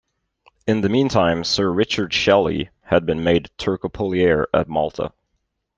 In the meantime Sir Richard Shelley had been made turcopolier at Malta.